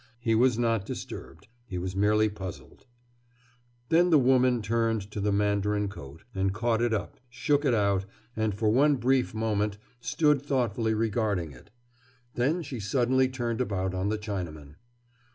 He was not disturbed. He was merely puzzled. Then the woman turned to the mandarin coat, and caught it up, shook it out, and for one brief moment stood thoughtfully regarding it. Then she suddenly turned about on the Chinaman.